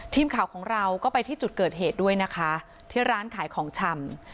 ทีมข่าวของเราก็ไปที่จุดเกิดเหตุด้วยนะคะที่ร้านขายของชำ